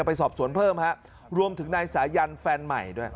ไปสอบสวนเพิ่มฮะรวมถึงนายสายันแฟนใหม่ด้วย